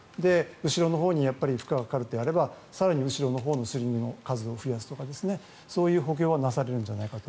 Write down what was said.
後ろのほうに負荷がかかるとあれば後ろのスリングの数を増やすとか、そういう補強がなされるんじゃないかと。